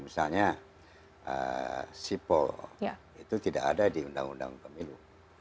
misalnya sipol itu tidak ada di undang undang pemilu